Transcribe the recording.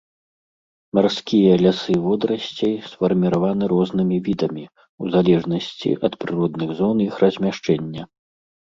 Марскія лясы водарасцей сфарміраваны рознымі відамі, у залежнасці ад прыродных зон іх размяшчэння.